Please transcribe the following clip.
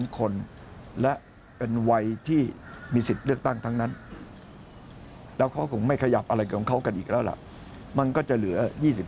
คนและเป็นวัยที่มีสิทธิ์เลือกตั้งทั้งนั้นแล้วเขาคงไม่ขยับอะไรของเขากันอีกแล้วล่ะมันก็จะเหลือ๒๐